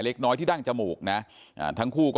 โปรดติดตามต่อไป